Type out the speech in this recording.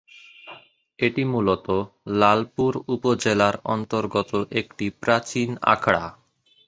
এটি মূলত লালপুর উপজেলার অন্তর্গত একটি প্রাচীন আখড়া।